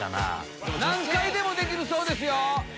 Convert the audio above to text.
何回でもできるそうですよ。